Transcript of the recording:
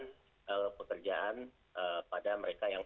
jadi itu adalah pekerjaan pada mereka yang